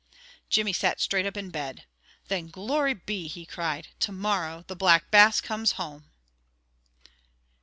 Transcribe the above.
Jimmy sat straight up in bed. "Then glory be!" he cried. "To morrow the Black Bass comes home!"